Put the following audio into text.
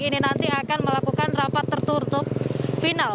ini nanti akan melakukan rapat tertutup final